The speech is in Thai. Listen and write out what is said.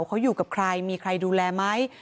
เขาอยู่กับใครมีใครดูแลไหม